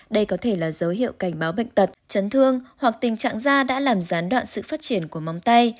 đây có thể là dấu hiệu cảnh báo bệnh tật chấn thương hoặc tình trạng da đã làm gián đoạn sự phát triển của móng tay